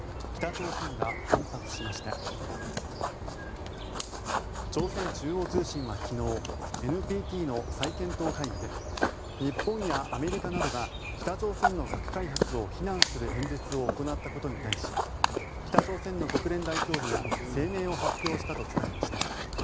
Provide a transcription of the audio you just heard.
朝鮮中央通信は昨日ＮＰＴの再検討会議で日本やアメリカなどが北朝鮮の核開発を非難する演説を行ったことに対し北朝鮮の国連代表部が声明を発表したと伝えました。